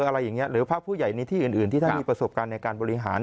อะไรอย่างนี้หรือพระผู้ใหญ่ในที่อื่นที่ท่านมีประสบการณ์ในการบริหาร